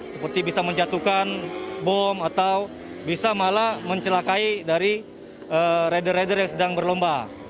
seperti bisa menjatuhkan bom atau bisa malah mencelakai dari rider rider yang sedang berlomba